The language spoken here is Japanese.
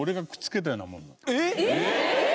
えっ！？